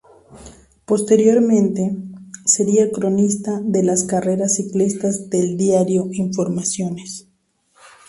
Posteriormente, sería cronista de las carreras ciclistas del diario "Informaciones".